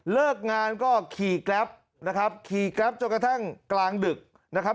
เลิกงานก็ขี่แกรปนะครับขี่แกรปจนกระทั่งกลางดึกนะครับ